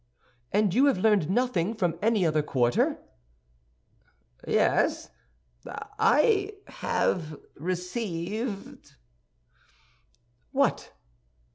"And you have learned nothing from any other quarter?" "Yes, I have received—" "What?"